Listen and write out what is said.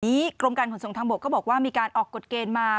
กรมการขนส่งทางบกก็บอกว่ามีการออกกฎเกณฑ์มา